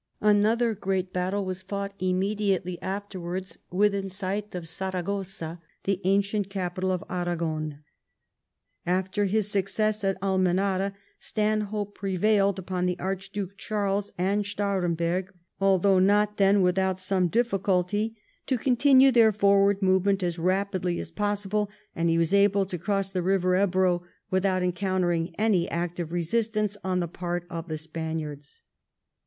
Another great battle was fought immediately after wards within sight of Saragossa, the ancient capital of Aragon. After his success at Almenara, Stanhope prevailed upon the Archduke Charles and Starem berg, although not even then without some difficulty, to continue their forward movement as rapidly as possible, and he was able to cross the river Ebro with out encountering any active resistance on the part of the Spaniards.